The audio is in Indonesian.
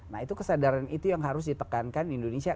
nah itu kesadaran itu yang harus ditekankan indonesia